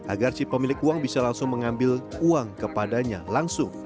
agar si pemilik uang bisa langsung mengambil uang kepadanya langsung